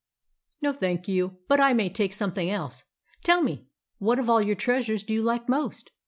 "No, thank you. But I may take something else. Tell me, what of all your treasures do you like most?"